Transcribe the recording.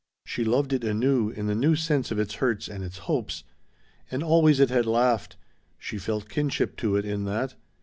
She loved it anew in the new sense of its hurts and its hopes. And always it had laughed. She felt kinship to it in that.